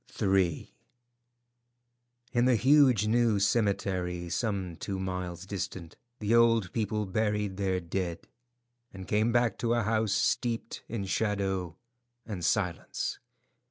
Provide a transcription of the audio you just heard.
III. In the huge new cemetery, some two miles distant, the old people buried their dead, and came back to a house steeped in shadow and silence.